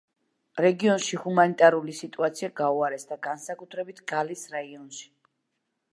რეგიონში ჰუმანიტარული სიტუაცია გაუარესდა, განსაკუთრებით გალის რაიონში.